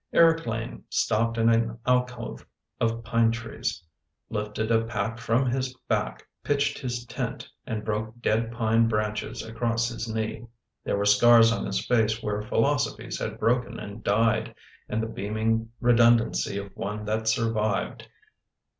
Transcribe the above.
Eric Lane stopped in an alcove of pine trees; lifted a pack from his back; pitched his tent; and broke dead pine branches across his knee. There were scars on his face where philosophies had broken and died and the beaming redundancy of one that survived.